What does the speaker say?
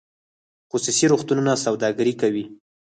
خصوصي روغتونونه سوداګري کوي